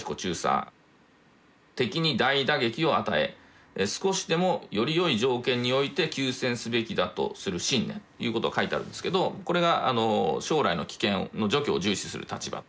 「敵に大打撃を与え少しでもよりよい条件において休戦すべきだとする信念」ということが書いてあるんですけどこれが「将来の危険の除去」を重視する立場。